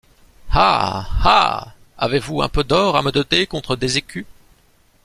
Ah! ah ! avez-vous un peu d’or à me donner contre des écus?